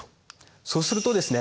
そうするとですね